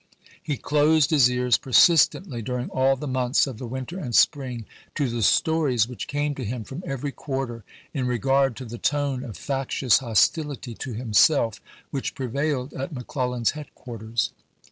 He closed his ears persistently during all the months of the winter and spring to the stories which came to him from every quarter in regard to the tone of fac tious hostility to himself which prevailed at Mc Clellan's headquarters.